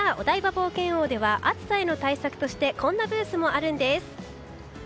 冒険王では暑さへの対策としてこんなブースもあるんです。